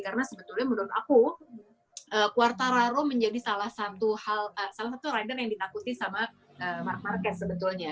karena sebetulnya menurut aku quartararo menjadi salah satu rider yang ditakuti sama mark marquez sebetulnya